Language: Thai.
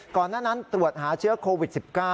ก่อนหน้านั้นตรวจหาเชื้อโควิด๑๙